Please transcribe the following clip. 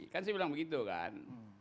kan saya bilang begitu kan